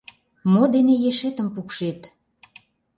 Мо дене ешетым пукшет?